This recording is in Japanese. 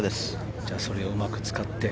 それをうまく使って。